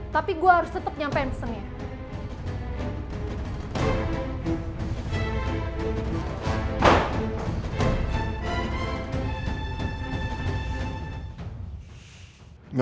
tapi gue harus tetap nyampe yang pesennya